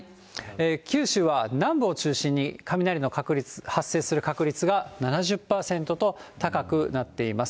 九州は南部を中心に雷の確率、発生する確率が７０％と高くなっています。